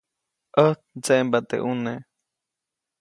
ʼÄjt ndseʼmbaʼt teʼ ʼuneʼ.